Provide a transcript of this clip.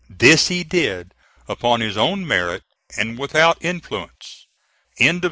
This he did upon his own merit and without influence. CONCLUSION.